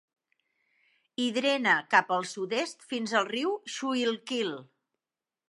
I drena cap al sud-est fins al riu Schuylkill.